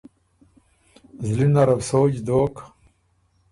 زلی نره بُو سوچ دوک۔